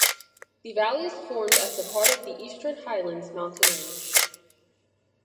The valley is formed as part of the Eastern Highlands mountain range.